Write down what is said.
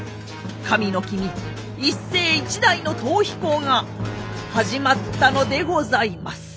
神の君一世一代の逃避行が始まったのでございます。